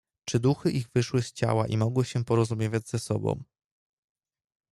"Czy duchy ich wyszły z ciała i mogły się porozumiewać z sobą."